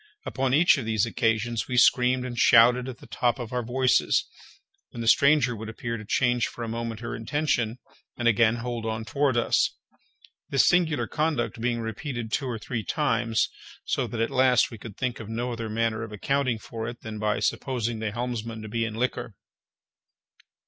Upon each of these occasions we screamed and shouted at the top of our voices, when the stranger would appear to change for a moment her intention, and again hold on toward us—this singular conduct being repeated two or three times, so that at last we could think of no other manner of accounting for it than by supposing the helmsman to be in liquor.